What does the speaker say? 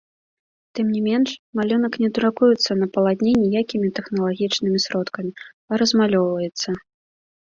Тым не менш, малюнак не друкуецца на палатне ніякімі тэхналагічнымі сродкамі, а размалёўваецца.